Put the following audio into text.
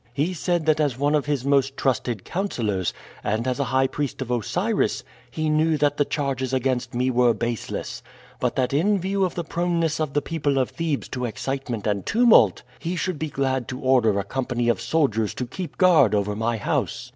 He said that as one of his most trusted counselors, and as a high priest of Osiris, he knew that the charges against me were baseless; but that in view of the proneness of the people of Thebes to excitement and tumult, he should be glad to order a company of soldiers to keep guard over my house.